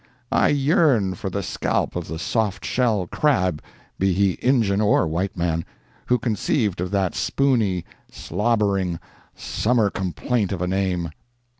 I yearn for the scalp of the soft shell crab—be he injun or white man—who conceived of that spoony, slobbering, summer complaint of a name.